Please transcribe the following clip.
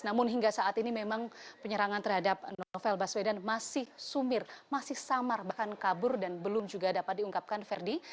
namun hingga saat ini memang penyerangan terhadap novel baswedan masih sumir masih samar bahkan kabur dan belum juga dapat diungkapkan verdi